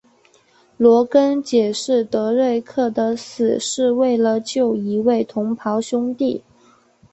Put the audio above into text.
罗根解释德瑞克的死是救了一位同袍兄弟。